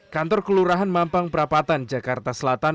kantor kelurahan mampang perapatan jakarta selatan